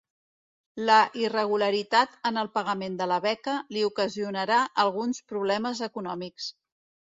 La irregularitat en el pagament de la beca li ocasionarà alguns problemes econòmics.